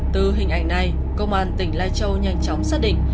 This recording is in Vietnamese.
từ hình ảnh này công an tỉnh lai châu nhanh chóng xác định